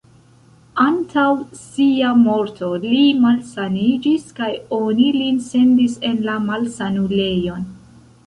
Antaŭ sia morto li malsaniĝis kaj oni lin sendis en la malsanulejon.